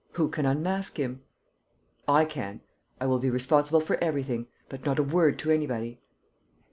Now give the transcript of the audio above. Who can unmask him?" "I can. I will be responsible for everything. But not a word to anybody."